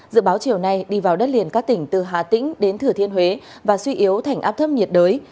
dự báo chiều nay đi vào đất liền các tỉnh từ hà tĩnh đến thửa thiên huế và suy yếu thành áp thấp nhiệt đới